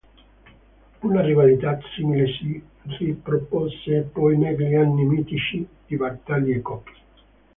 Una rivalità simile si ripropose poi negli anni mitici di Bartali e Coppi.